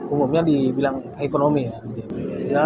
umumnya dibilang ekonomi ya